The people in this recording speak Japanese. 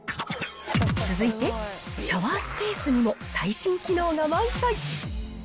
続いて、シャワースペースにも最新機能が満載。